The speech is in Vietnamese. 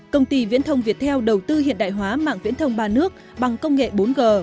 công ty viễn thông việt theo đầu tư hiện đại hóa mạng viễn thông ba nước bằng công nghệ bốn g